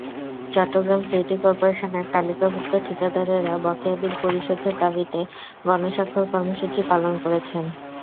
Chittagong city করপোরেশনের তালিকাভুক্ত ঠিকাদারেরা বকেয়া বিল পরিশোধের দাবিতে গণস্বাক্ষর কর্মসূচি পালন করেছেন।